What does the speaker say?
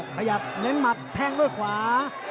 ขยับเน้นหมัดแทงด้วยขวา